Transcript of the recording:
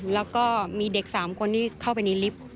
แล้วก็มีเด็ก๓คนที่เข้าไปในลิฟต์